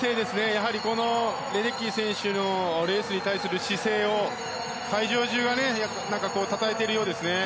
やはり、レデッキー選手のレースに対する姿勢を会場中がたたえているようですね。